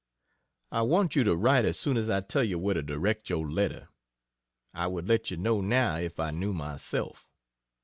I want you to write as soon as I tell you where to direct your letter. I would let you know now, if I knew myself.